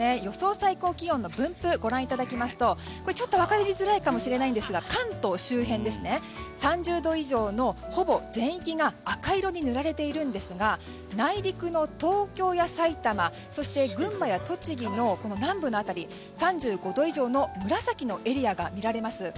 最高気温の分布をご覧いただきますとちょっと分かりづらいかもしれないんですが、関東周辺３０度以上のほぼ全域が赤色に塗られているんですが内陸の東京や埼玉群馬や栃木の南部の辺り３５度以上の紫のエリアが見られます。